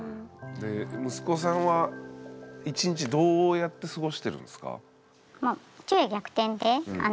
息子さんは１日どうやって過ごしてるんですか？